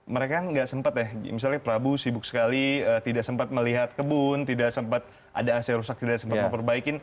mereka nggak sempat ya misalnya prabu sibuk sekali tidak sempat melihat kebun tidak sempat ada ac rusak tidak sempat memperbaikin